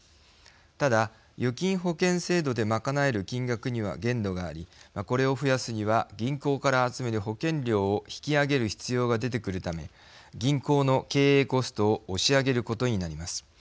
ただ、預金保険制度で賄える金額には限度がありこれを増やすには銀行から集める保険料を引き上げる必要が出てくるため銀行の経営コストを押し上げることになります。